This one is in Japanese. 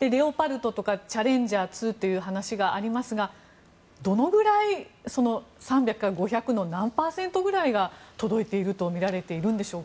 レオパルトとかチャレンジャー２という話がありますがどのぐらい、３００から５００の何パーセントぐらいが届いているとみられているんでしょうか？